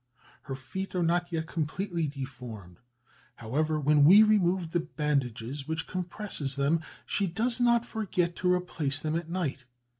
Her feet are not yet completely deformed; however, when we remove the bandages which compress them, she does not forget to replace them at night.